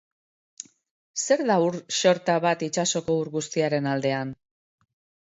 Zer da ur xorta bat itsasoko ur guztiaren aldean?